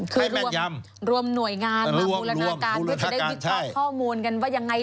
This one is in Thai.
คือรวมหน่วยงานมาบูรณาการเพื่อจะได้วิเคราะห์ข้อมูลกันว่ายังไง